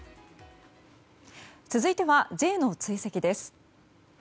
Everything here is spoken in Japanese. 続いてはＪの追跡です。